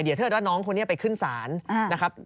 เดี๋ยวถ้าเกิดว่าน้องคนนี้ไปขึ้นศาลนะครับ